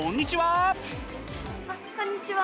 あっこんにちは！